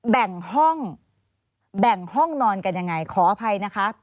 แบ่งห้องแบ่งห้องนอนกันยังไงขออภัยนะคะ